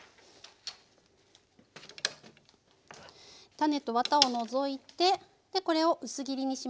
種とワタを除いてこれを薄切りにします。